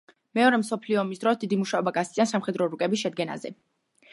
მეორე მსოფლიო ომის დროს დიდი მუშაობა გასწია სამხედრო რუკების შედგენაზე.